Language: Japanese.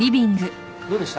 どうでした？